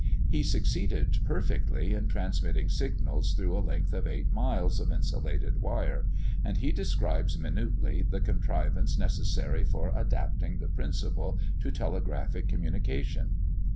He succeeded perfectly in transmitting signals through a length of eight miles of insulated wire; and he describes minutely the contrivances necessary for adapting the principle to telegraphic communication.